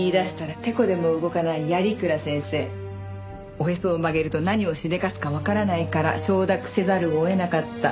おへそを曲げると何をしでかすかわからないから承諾せざるを得なかった。